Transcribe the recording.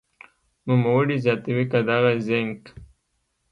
نوموړې زیاتوي که دغه زېنک